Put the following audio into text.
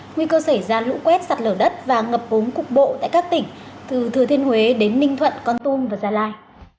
nguy cơ xảy ra lũ quét sặt lở đất và ngập bống cục bộ tại các tỉnh từ thừa thiên huế đến ninh thuận con tung và gia lai